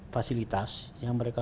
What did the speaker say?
fasilitas yang mereka